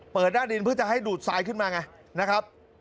หน้าดินเพื่อจะให้ดูดทรายขึ้นมาไงนะครับ